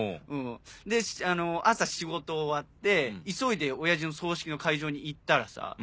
で朝仕事終わって急いで親父の葬式の会場に行ったらさ。